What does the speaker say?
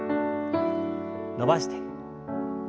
伸ばして。